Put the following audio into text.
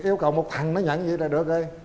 yêu cầu một thằng nó nhận như vậy là được đi